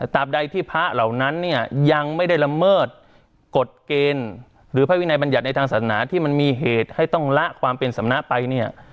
ตามใดที่พระเหล่านั้นเนี่ยยังไม่ได้ละเมิดกฎเกณฑ์หรือพระวินัยบัญญัติในทางศาสนาที่มันมีเหตุให้ต้องละความเป็นสำนักไปเนี่ย